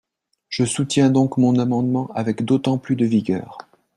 Je soutiens donc mon amendement avec d’autant plus de vigueur.